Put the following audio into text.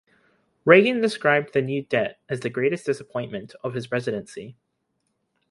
Reagan described the new debt as the "greatest disappointment" of his presidency.